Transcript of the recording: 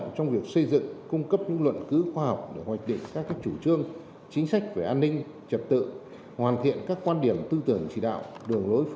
giáo viên dạy giỏi giáo viên dạy giỏi giáo viên dạy giỏi